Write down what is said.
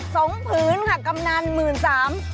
อ๋อสัก๒ผืนค่ะกำนาน๑๓๐๐๐บาท